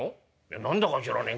「何だか知らねえ